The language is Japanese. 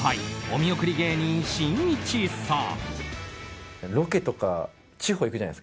お見送り芸人しんいちさん！